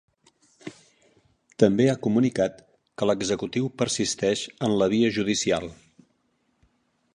També ha comunicat que l'executiu persisteix en la via judicial.